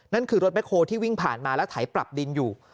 นั่นคือรถแคลที่วิ่งผ่านมาแล้วไถปรับดินอยู่